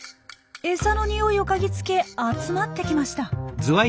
餌のにおいを嗅ぎつけ集まってきました。